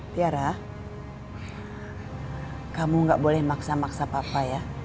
tiara kamu gak boleh maksa maksa papa ya